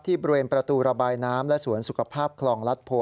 บริเวณประตูระบายน้ำและสวนสุขภาพคลองลัดโพ